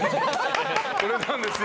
これなんですよ。